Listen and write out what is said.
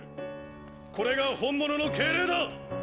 これが本物の敬礼だ。